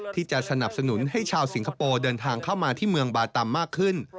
ที่จะสนับสนุนให้ชาวสิงคโปร์เดินทางเข้ามาที่เมืองบาตำมากขึ้น